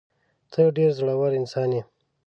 ته ډېر زړه ور انسان یې.